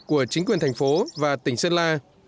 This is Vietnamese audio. của chính quyền thành phố và tỉnh sơn la